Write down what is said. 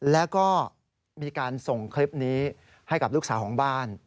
แล้วก็มีการส่งคลิปนี้ให้กับลูกสาวของบ้าน